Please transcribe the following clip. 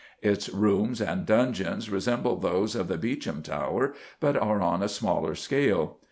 Its rooms and dungeons resemble those of the Beauchamp Tower, but are on a smaller scale.